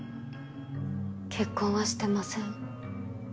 結婚はしてません。